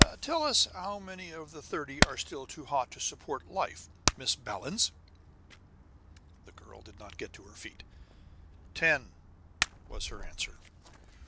"Tell us how many of the thirty are still too hot to support life, Miss Ballens." The girl did not get to her feet. "Ten," was her answer.